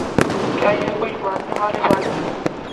کیا یہ کوئی ماننے والی بات ہے؟